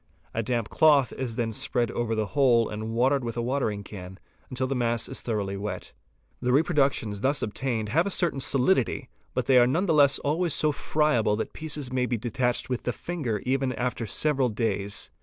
A damp cloth is then spread over the whole and watered with a watering can until the mass is thoroughly wet. The reproductions thus obtained have a certain solidity, but they.none the less are always so friable that pieces may be detached with the finger even after several days.